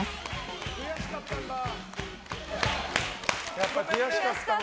やっぱり悔しかったんだ。